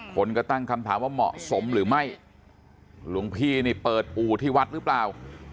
คนก็ตั้งคำถามว่าเหมาะสมหรือไม่หลวงพี่นี่เปิดอู่ที่วัดหรือเปล่า